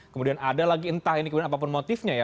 kemudian ada lagi entah ini kemudian apapun motifnya ya